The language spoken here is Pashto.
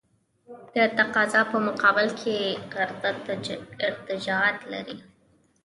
د تقاضا په مقابل کې عرضه ارتجاعیت لري.